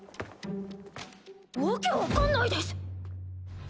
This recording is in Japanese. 訳分かんないです。